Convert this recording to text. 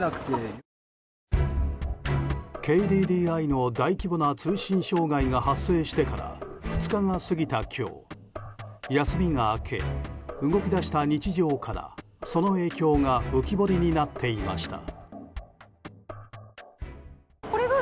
ＫＤＤＩの大規模な通信障害が発生してから２日が過ぎた今日休みが明け、動き出した日常からその影響が浮き彫りになっていました。